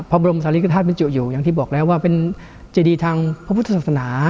พระบรมศาลิกฐาตุบรรจุอยู่อย่างที่บอกแล้วว่าเป็นเจดีทางพระพุทธศาสนา